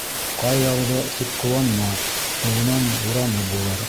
«Ҡар яуҙы» тип ҡыуанма: һуңынан бураны булыр.